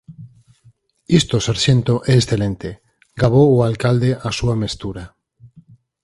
Isto, sarxento, é excelente —gabou o alcalde a súa mestura—.